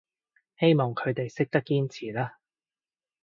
希望佢哋識得堅持啦